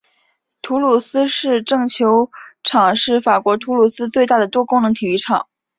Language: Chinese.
土鲁斯市政球场是法国土鲁斯最大的多功能体育场。